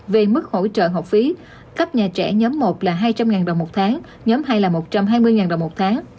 về mức hỗ trợ học phí cấp nhà trẻ nhóm một là hai trăm linh đồng một tháng nhóm hay là một trăm hai mươi đồng một tháng